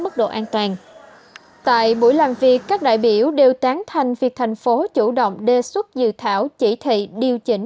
tại buổi làm việc các đại biểu đều tán thành việc thành phố chủ động đề xuất dự thảo chỉ thị điều chỉnh